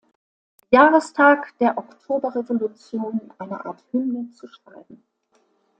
Jahrestag der Oktoberrevolution eine Art Hymne zu schreiben.